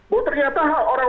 bahwa ternyata orang orang